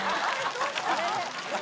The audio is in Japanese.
どうした？